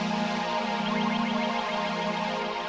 saya juga sangat baik